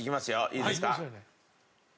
いいですか？